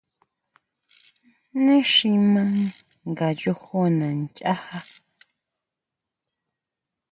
Neé si ma nga yojoná nchajá.